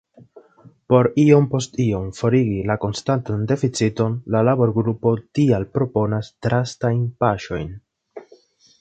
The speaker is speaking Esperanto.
Por iom post iom forigi la konstantan deficiton la laborgrupo tial proponas drastajn paŝojn.